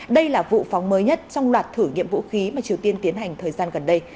đây là vụ phóng mới nhất trong loạt thử nghiệm vũ khí mà triều tiên tiến hành thời gian gần đây